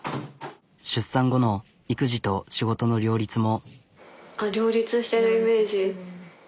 出産後の育児と仕事の両立も。